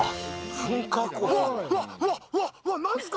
噴火口。